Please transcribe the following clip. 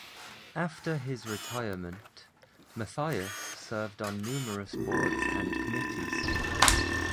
After his retirement, Mathias served on numerous boards and committees.